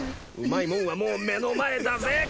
うまいもんはもう目の前だぜ！